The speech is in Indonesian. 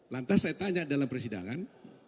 lantas saya tanya dalam persidangan